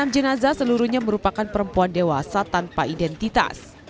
enam jenazah seluruhnya merupakan perempuan dewasa tanpa identitas